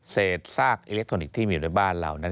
ซากอิเล็กทรอนิกส์ที่มีอยู่ในบ้านเรา